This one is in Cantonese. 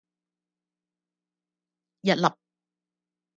一粒